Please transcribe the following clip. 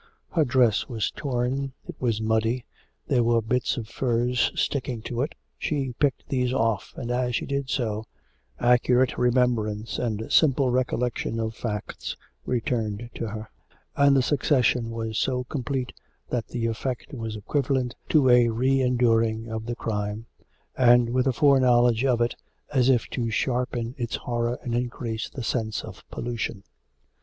Her dress was torn, it was muddy, there were bits of furze sticking to it. She picked these off; and as she did so, accurate remembrance and simple recollection of facts returned to her, and the succession was so complete that the effect was equivalent to a re enduring of the crime, and with a foreknowledge of it, as if to sharpen its horror and increase the sense of the pollution.